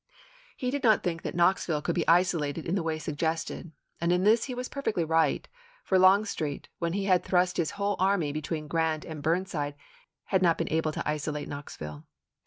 He did not think that Knoxville could be isolated in the way suggested ; and in this he was perfectly right, for Longstreet, when he had thrust his whole army between Grant and Burnside, had not been able to isolate Knoxville.